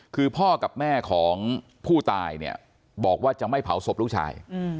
คือพ่อกับแม่ของผู้ตายเนี่ยบอกว่าจะไม่เผาศพลูกชาย